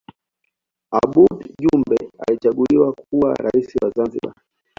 abooud jumbe alichaguliwa kuwa rais wa zanzibar